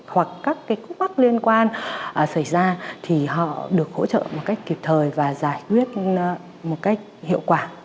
hoặc các cú bắc liên quan xảy ra thì họ được hỗ trợ một cách kịp thời và giải quyết một cách hiệu quả